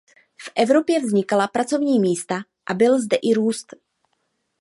V Evropě vznikala pracovní místa a byl zde i růst.